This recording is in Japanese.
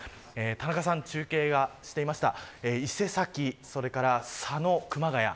田中さんが中継していました伊勢崎、それから佐野、熊谷